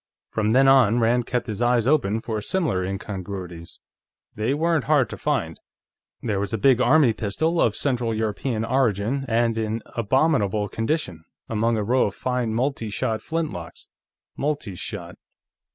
From then on, Rand kept his eyes open for similar incongruities. They weren't hard to find. There was a big army pistol, of Central European origin and in abominable condition, among a row of fine multi shot flintlocks. Multi shot